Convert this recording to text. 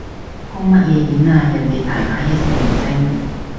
公乜嘢演啊，人哋大牌一線明星